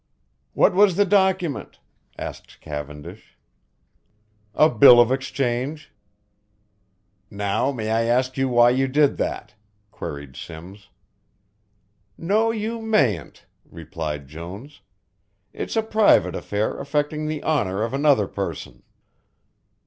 "What was the document?" asked Cavendish. "A bill of exchange." "Now may I ask why you did that?" queried Simms. "No, you mayn't," replied Jones, "it's a private affair affecting the honour of another person."